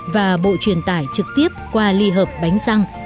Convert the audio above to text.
và bộ truyền tải trực tiếp qua ly hợp bánh xăng